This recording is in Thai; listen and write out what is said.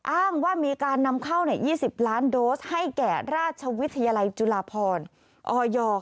อ้างว่ามีการนำเข้า๒๐ล้านโดสให้แก่ราชวิทยาลัยจุฬาพรออย